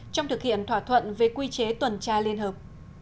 trong thực hiện thỏa thuận về quy chế tuần tra liên hợp